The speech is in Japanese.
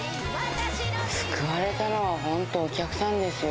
救われたのは本当、お客さんですよ。